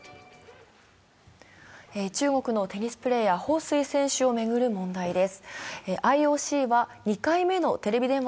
中国のテニスプレーヤー、彭帥選手を巡る問題です。